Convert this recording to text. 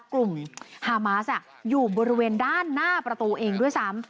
ฮามาสอยู่บริเวณด้านหน้าประตูเองด้วยซ้ำ